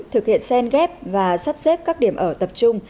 thực hiện sen ghép và sắp xếp các điểm ở tập trung